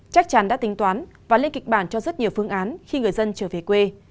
chắc chắn đã tính toán và lên kịch bản cho rất nhiều phương án khi người dân trở về quê